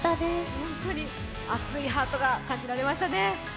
本当に熱いハートが感じられましたね。